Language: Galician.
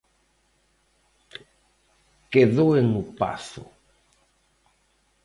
Que doen o pazo.